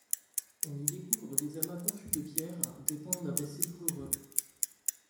On y découvre des amas confus de pierres, témoins d'un passé douloureux.